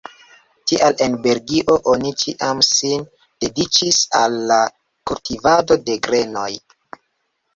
Tial en Belgio oni ĉiam sin dediĉis al la kultivado de grenoj.